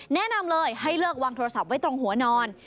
แนะนำเลยให้เลือกวางโทรศัพท์ไว้ตรงหัวนอน